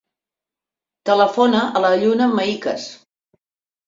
Telefona a la Lluna Mahiques.